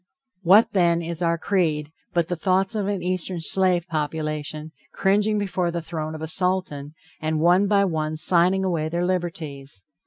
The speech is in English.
What, then, is our creed, but the thoughts of an eastern slave population, cringing before the throne of a Sultan, and one by one signing away their liberties?